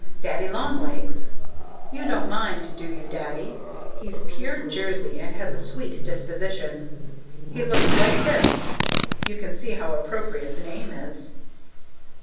6. Daddy Long Legs. You don't mind, do you, Daddy? He's pure Jersey and has a sweet disposition. He looks like this you can see how appropriate the name is.